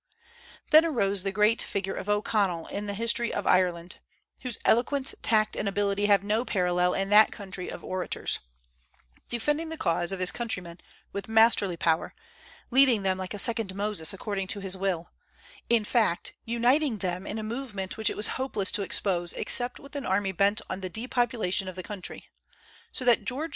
Then arose the great figure of O'Connell in the history of Ireland (whose eloquence, tact, and ability have no parallel in that country of orators), defending the cause of his countrymen with masterly power, leading them like a second Moses according to his will, in fact, uniting them in a movement which it was hopeless to oppose except with an army bent on the depopulation of the country; so that George IV.